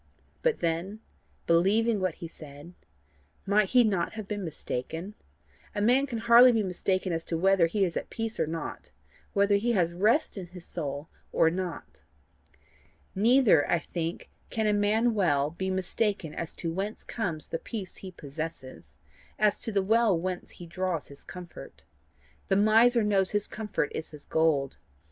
But then: believing what he said, might he not have been mistaken? A man can hardly be mistaken as to whether he is at peace or not whether he has rest in his soul or not. Neither I think can a man well be mistaken as to whence comes the peace he possesses, as to the well whence he draws his comfort. The miser knows his comfort is his gold.